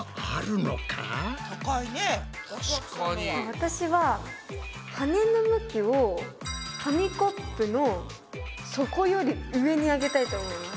私は羽の向きを紙コップの底より上に上げたいと思います。